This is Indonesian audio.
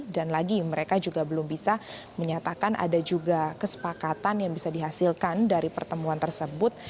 lagi mereka juga belum bisa menyatakan ada juga kesepakatan yang bisa dihasilkan dari pertemuan tersebut